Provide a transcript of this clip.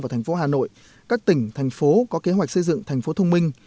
của thành phố hà nội các tỉnh thành phố có kế hoạch xây dựng thành phố thông minh